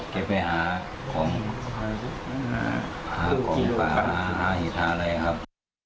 เก็บไปหาของห้าห้าหิตาเลยครับ